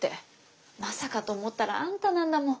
まさかと思ったらあんたなんだもん。